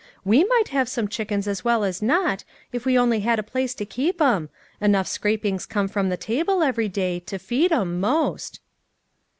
We might have some chickens as well as not, if we only had a place to keep 'em ; enough scrapings come from the table every day, to feed 'em, most."